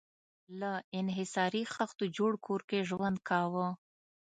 له انحصاري خښتو جوړ کور کې ژوند کاوه.